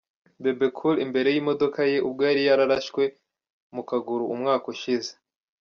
Bebe Cool imbere y'imodoka ye ubwo yari yararashwe mu kaguru umwaka ushize.